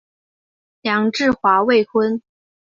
梁质华未婚。